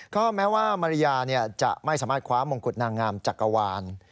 ก็แม้ว่ามาริยาจะไม่สามารถคว้ามงกุฎนางงามจักรวาล